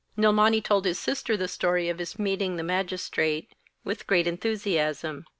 Nilmani told his sister the story of his meeting the Magistrate with great enthusiasm.